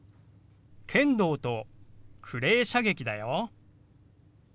剣道とクレー射撃だよ。